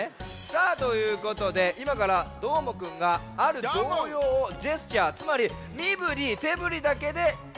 さあということでいまからどーもくんがある童謡をジェスチャーつまりみぶりてぶりだけでひょうげんします。